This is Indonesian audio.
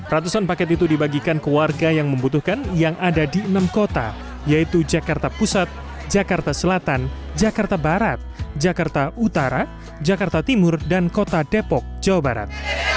ratusan paket itu dibagikan ke warga yang membutuhkan yang ada di enam kota yaitu jakarta pusat jakarta selatan jakarta barat jakarta utara jakarta timur dan kota depok jawa barat